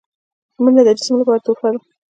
منډه د جسم لپاره تحفه ده